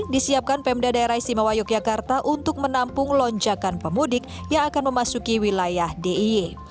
disiapkan pemda daerah isimewa yogyakarta untuk menampung lonjakan pemudik yang akan memasuki wilayah diy